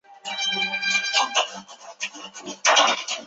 过去的范围包括现在的香美町大部分地区和养父市的西北部地区。